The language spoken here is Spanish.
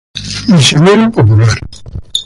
Misionero popular.